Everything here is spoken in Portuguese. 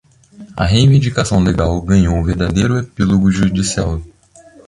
A reivindicação legal ganhou um verdadeiro epílogo judicial.